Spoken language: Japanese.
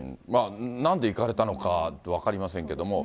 なんで行かれたのか分かりませんけども。